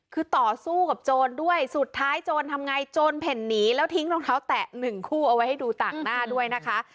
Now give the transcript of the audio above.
คือต่อสู้กับโจรด้วยสุดท้ายโจรทำไงโจรเผ่นหนีแล้วทิ้งรองเท้าแตะหนึ่งคู่เอาไว้ให้ดูต่างหน้าด้วยนะคะ